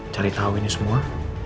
cari tahu ini semua